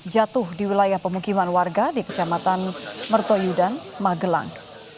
jatuh di wilayah pemukiman warga di kecamatan mertoyudan magelang